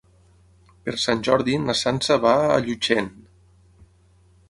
Per Sant Jordi na Sança va a Llutxent.